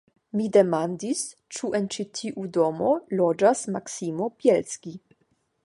Mi demandis, ĉu en ĉi tiu domo loĝas Maksimo Bjelski.